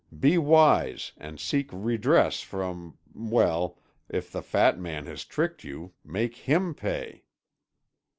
Be wise, and seek redress from—well, if the fat man has tricked you, make him pay."